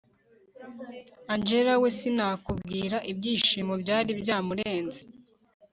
angella we sinakubwira, ibyishimo byari byamurenze